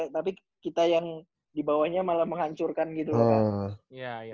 tapi kita yang dibawanya malah menghancurkan gitu loh kan